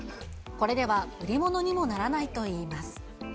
これでは売り物にもならないといいます。